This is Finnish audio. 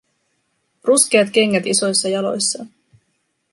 Ruskeat kengät isoissa jaloissaan.